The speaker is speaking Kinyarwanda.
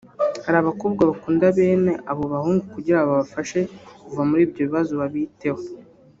Hari abakobwa bakunda bene abo bahungu kugira ngo babafashe kuva muri ibyo bibazo babiteho